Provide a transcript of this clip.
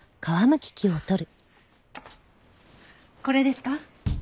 ああこれですか？